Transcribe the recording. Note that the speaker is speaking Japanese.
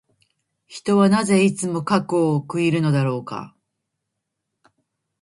人はなぜ、いつも過去を悔いるのだろうか。